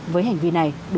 với hành vi này